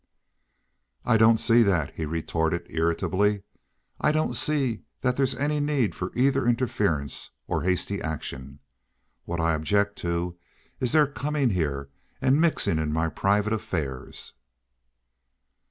"I don't see that," he retorted irritably. "I don't see that there's any need for either interference or hasty action. What I object to is their coming here and mixing in my private affairs."